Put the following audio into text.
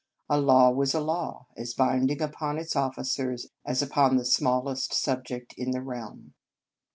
A law was a law, as binding upon its officers as upon the smallest subject in the realm.